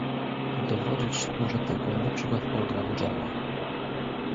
Dowodzić może tego na przykład program Jeremy